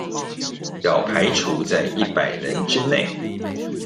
要排除在一百人之内